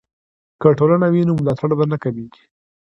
که ټولنه وي نو ملاتړ نه کمیږي.